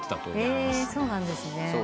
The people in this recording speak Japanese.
そうなんですね。